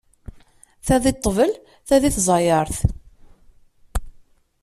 Ta di ṭṭbel, ta di tẓayeṛt.